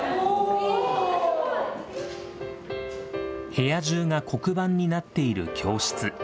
部屋中が黒板になっている教室。